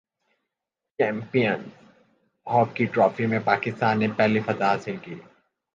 champions hockey trophy میں پاکستان نے پہلی فتح حاصل کرلی